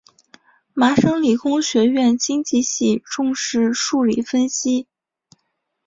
麻省理工学院经济系重视数理分析。